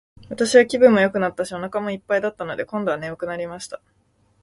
私は気分もよくなったし、お腹も一ぱいだったので、今度は睡くなりました。